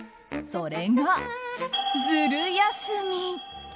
それが、ズル休み。